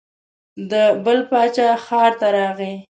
د بل باچا ښار ته راغی.